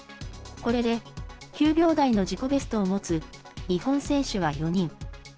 これで、９秒台の自己ベストを持つ日本選手は４人。